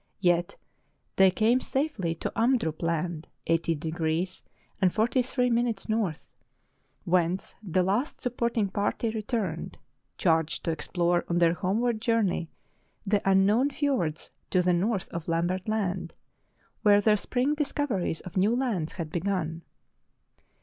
Yet they came safely to Amdrup Land, 80° 43' N., whence the last supporting party returned, charged to explore on their homeward journey the unknown fiords to the north of Lambert Land, where their spring discoveries of new lands had begun.